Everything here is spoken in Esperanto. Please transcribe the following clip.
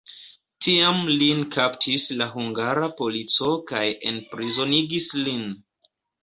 Tiam lin kaptis la hungara polico kaj enprizonigis lin.